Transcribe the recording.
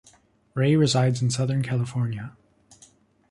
Ray resides in Southern California.